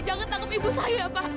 jangan takut ibu saya pak